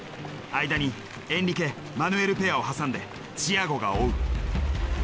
間にエンリケマヌエルペアを挟んでチアゴが追う。